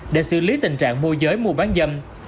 để xử lý tình trạng môi giới mua bán dâm